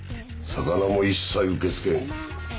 魚も一切受け付けん。